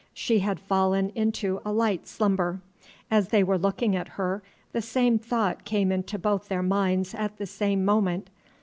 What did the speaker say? She had fallen into a light slumber. As they were looking at her, the same thought came into both their minds at the same moment.